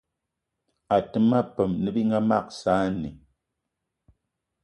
Até ma peum ne bí mag saanì